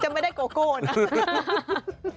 จะไม่ได้โกโกนะ